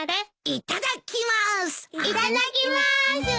いただきます。